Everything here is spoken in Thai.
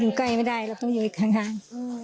อยู่ใกล้ไม่ได้เราต้องอยู่ทางห่าง